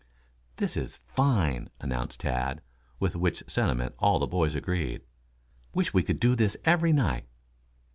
"This is fine," announced Tad, with which sentiment all the boys agreed. "Wish we could do this every night."